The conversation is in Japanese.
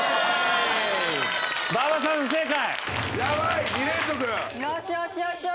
馬場さん不正解。